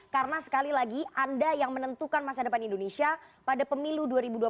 karena sekali lagi anda yang menentukan masa depan indonesia pada pemilu dua ribu dua puluh empat